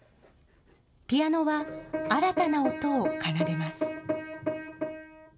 ピアノは新たな音を奏でます。